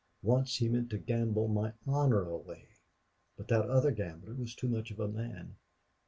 Once he meant to gamble my honor away. But that other gambler was too much of a man.